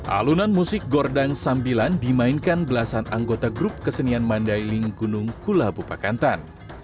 alunan musik gordang sambilan dimainkan belasan anggota grup kesenian mandailing gunung kulabu pakantan